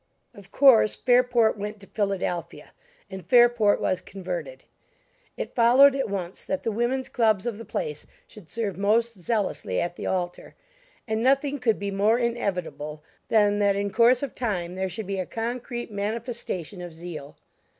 Of course, Fairport went to Philadelphia; and Fairport was converted. It followed, at once that the women's clubs of the place should serve most zealously at the altar; and nothing could be more inevitable than that in course of time there should be a concrete manifestation of zeal.